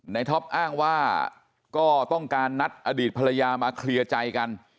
ท็อปอ้างว่าก็ต้องการนัดอดีตภรรยามาเคลียร์ใจกัน